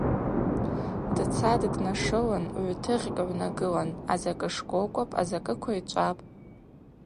Дцатӏ, днашылын – гӏвтыгъькӏ гӏвнагылапӏ: азакӏы шкӏвокӏвапӏ, азакӏы квайчӏвапӏ.